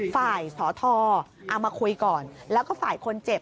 ฝ่ายสทเอามาคุยก่อนแล้วก็ฝ่ายคนเจ็บ